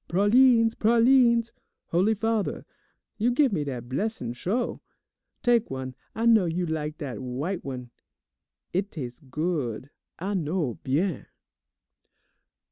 "Pralines, pralines! Holy Father, you give me dat blessin' sho'? Tak' one, I know you lak dat w'ite one. It tas' good, I know, bien.